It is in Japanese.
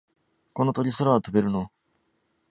この鳥、空は飛べるの？